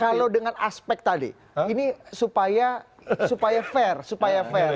kalau dengan aspek tadi ini supaya fair